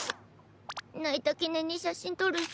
泣いた記念に写真撮るっス。